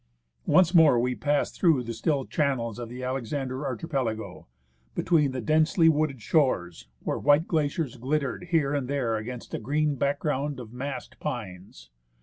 Once more we passed through the still channels of the Alexander Archipelago, between the densely wooded shores, where 178 BACK TO EUROPE— FROM YAKUTAT TO LONDON white glaciers glittered here and there against a green back ground of massed pines.